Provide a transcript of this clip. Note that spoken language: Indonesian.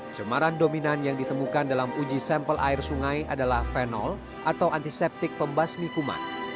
cemaran dominan yang ditemukan dalam uji sampel air sungai adalah venol atau antiseptik pembasmi kuman